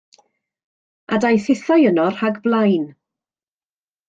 A daeth hithau yno rhag blaen.